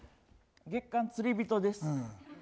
「月刊釣り人」です。